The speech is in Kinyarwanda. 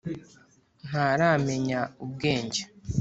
Ntaramenya ubwenge